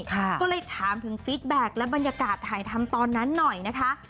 ก็เลยถามถึงฟีดแบ็คและบรรยากาศถ่ายทำตอนนั้นหน่อยนะคะ